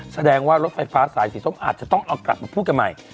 แสดงว่ารถไฟฟ้าสายสีส้มอาจจะต้องเอากลับมาพูดกันใหม่